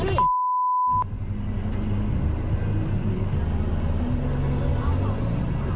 เอาเปลืองมา